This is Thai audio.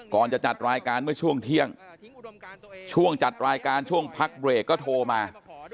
ก่อนจะจัดรายการเมื่อช่วงเที่ยงช่วงจัดรายการช่วงพักเบรกก็โทรมา